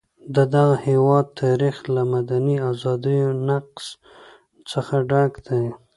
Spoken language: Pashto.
د دغه هېواد تاریخ له مدني ازادیو نقض څخه ډک دی.